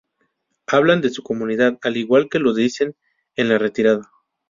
Hablan de su comunidad, al igual que lo dicen en la retirada".